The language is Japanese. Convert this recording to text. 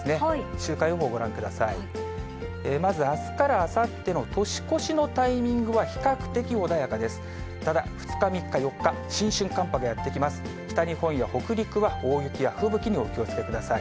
週間予報ご覧ください。